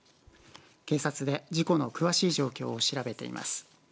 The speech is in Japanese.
警察で事故の詳しい状況を調べています。